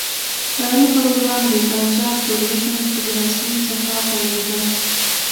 کاري پروګرام د پنجاب توریزم فدراسیون څخه پیلېده.